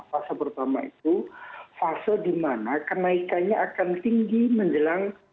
fase pertama itu fase di mana kenaikannya akan tinggi menjelang